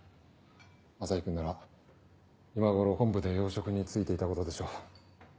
朝陽君なら今頃本部で要職に就いていたことでしょう。